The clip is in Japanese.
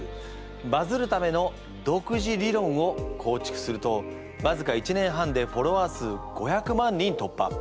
バズるための独自理論を構築するとわずか１年半でフォロワー数５００万人突破。